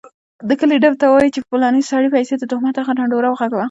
دکلي ډم ته وايي چي په پلاني سړي پسي دتهمت دغه ډنډوره وغږوه